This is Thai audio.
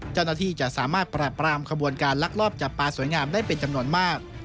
เจ้าหน้าที่จะสามารถปราบปรามขบวนการลักลอบจับปลาสวยงามได้เป็นจำนวนมาก